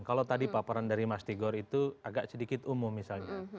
kalau tadi paparan dari mas tigor itu agak sedikit umum misalnya